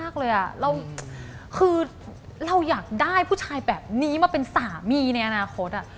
คือเราอยากได้ผู้ชายแบบนี้มาเป็นสามีในอนาคต